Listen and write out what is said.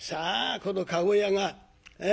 この駕籠屋が「え？